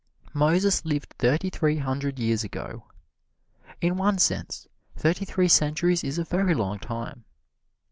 Moses lived thirty three hundred years ago. In one sense thirty three centuries is a very long time.